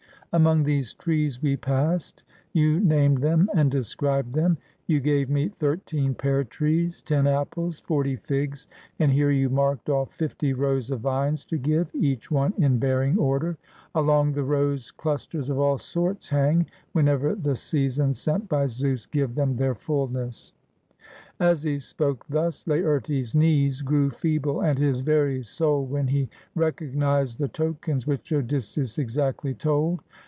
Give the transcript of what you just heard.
Among these trees we passed. You named them and described them. You gave me thirteen pear trees, ten apples, forty figs. And here you marked of! fifty rows of vines to give, each one in bearing order. Along the rows clusters of all sorts hang, whenever the seasons s§nt by Zeus give them their fullness." As he spoke thus, Laertes' knees grew feeble and his very soul, when he recognized the tokens which Odys seus exactly told.